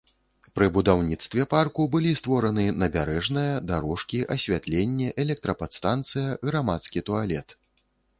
Пры будаўніцтве парку былі створаны набярэжная, дарожкі, асвятленне, электрападстанцыя, грамадскі туалет.